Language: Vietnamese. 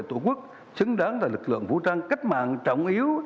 tổ quốc xứng đáng là lực lượng vũ trang cách mạng trọng yếu